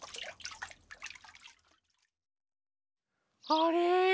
あれ？